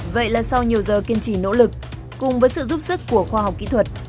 vậy là sau nhiều giờ kiên trì nỗ lực cùng với sự giúp sức của khoa học kỹ thuật